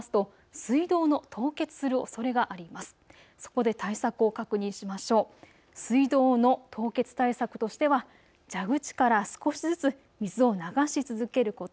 水道管の凍結対策としては蛇口から少しずつ水を流し続けること。